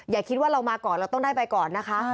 อย่าคิดว่าเรามาก่อนเราต้องได้ไปก่อนนะคะ